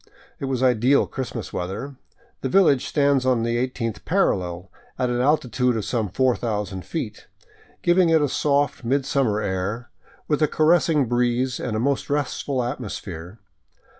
It was ideal Christmas weather. The village stands on the eighteenth parallel, at an altitude of some 4cxx:> feet, giving it a soft midsummer air, with a caressing breeze and a most restful atmos phere.